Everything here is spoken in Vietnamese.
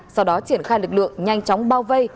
sau đó triển khai lực lượng nhanh chóng bao vây